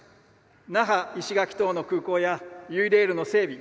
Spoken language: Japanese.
那覇・石垣等の空港やゆいレールの整備